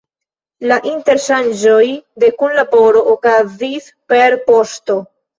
La interŝanĝo kaj kunlaboro okazis per poŝto.